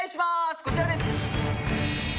こちらです。